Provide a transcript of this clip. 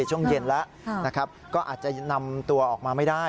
ช่วงเย็นแล้วก็อาจจะนำตัวออกมาไม่ได้